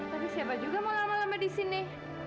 tapi siapa juga mau lama lama di sini